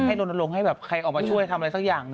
ลนลงให้แบบใครออกมาช่วยทำอะไรสักอย่าง